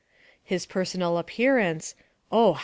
His personal appearance, oh!